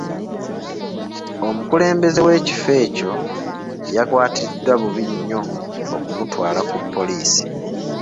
Omukulembeze w'ekifo ekyo yakwatiddwa bubi nnyo okumutwala ku poliisi.